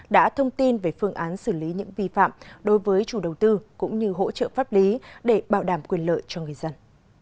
đã thông tin về phương án xử lý những vi phạm đối với chủ đầu tư cũng như hỗ trợ pháp lý để bảo đảm quyền lợi cho người dân